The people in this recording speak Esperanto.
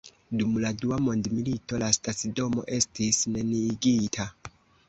Dum la dua mondmilito la stacidomo estis neniigita.